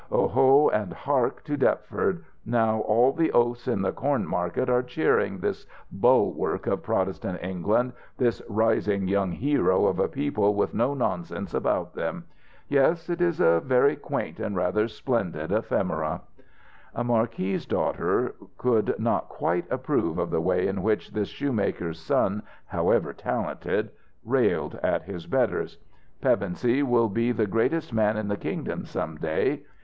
Oho, and hark to Deptford! now all the oafs in the Corn market are cheering this bulwark of Protestant England, this rising young hero of a people with no nonsense about them. Yes, it is a very quaint and rather splendid ephemera." A marquis's daughter could not quite approve of the way in which this shoemaker's son, however talented, railed at his betters. "Pevensey will be the greatest man in these kingdoms some day.